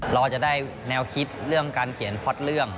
เราจะได้แนวคิดเรื่องการเขียนพล็อตเรื่อง